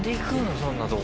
そんなとこ」